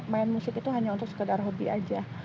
main musik itu hanya untuk sekedar hobi aja